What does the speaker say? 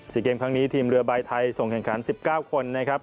เกมครั้งนี้ทีมเรือใบไทยส่งแข่งขัน๑๙คนนะครับ